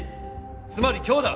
つまり今日だ。